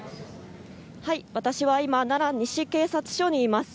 私は今、奈良西警察署にいます。